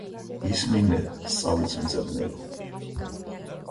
ისმინე სწავლის მძებნელო